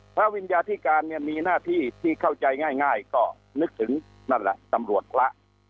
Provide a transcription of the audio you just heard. วิญญาธิการเนี่ยมีหน้าที่ที่เข้าใจง่ายก็นึกถึงนั่นแหละตำรวจพระ